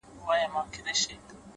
هره ستونزه د حل امکان لري؛